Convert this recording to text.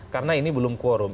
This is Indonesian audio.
karena ini belum quorum